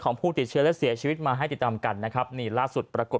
ผู้ติดเชื้อและเสียชีวิตมาให้ติดตามกันนะครับนี่ล่าสุดปรากฏ